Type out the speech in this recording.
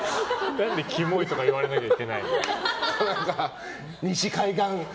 何でキモいとか言われなきゃいけないの。